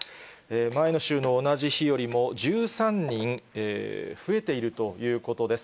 前の週の同じ日よりも１３人増えているということです。